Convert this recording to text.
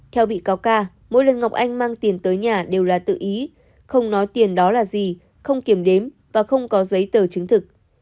theo bị cáo ca mỗi lần ngọc anh mang tiền tới nhà đều là tự ý không nói tiền đó là gì không kiểm đếm và không có giấy tờ chứng thực